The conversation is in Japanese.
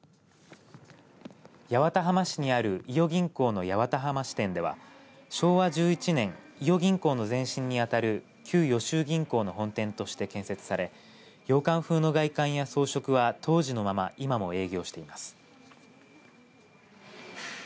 八幡浜市にある伊予銀行の八幡浜支店では昭和１１年伊予銀行の前身にあたる旧豫州銀行の本店として建設され洋館風の外観や装飾は当時のまま今も営業しています。